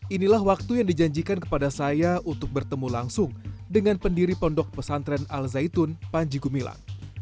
inilah waktu yang dijanjikan kepada saya untuk bertemu langsung dengan pendiri pondok pesantren al zaitun panji gumilang